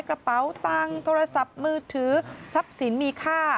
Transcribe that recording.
กระเป๋าตังค์โทรศัพท์มือถือทรัพย์สินมีค่า